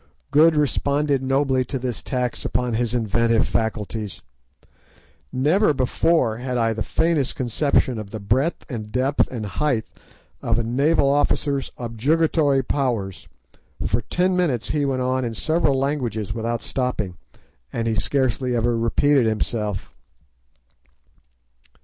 Good responded nobly to this tax upon his inventive faculties. Never before had I the faintest conception of the breadth and depth and height of a naval officer's objurgatory powers. For ten minutes he went on in several languages without stopping, and he scarcely ever repeated himself.